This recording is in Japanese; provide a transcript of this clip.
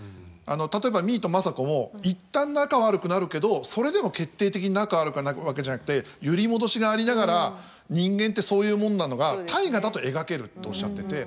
例えば実衣と政子も一旦仲悪くなるけどそれでも決定的に仲悪くなるわけじゃなくて揺り戻しがありながら人間ってそういうもんなのが「大河」だと描けるっておっしゃってて。